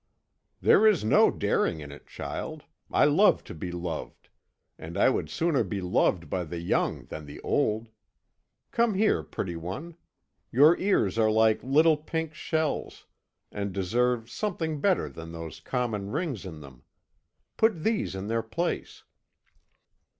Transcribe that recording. "There is no daring in it, child. I love to be loved and I would sooner be loved by the young than the old. Come here, pretty one. Your ears are like little pink shells, and deserve something better than those common rings in them. Put these in their place."